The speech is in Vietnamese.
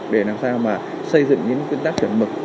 để làm sao mà xây dựng những cái nguyên tắc chuẩn mực